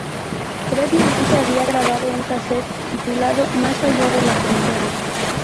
Previamente había grabado un casete titulado "Más allá de la frontera".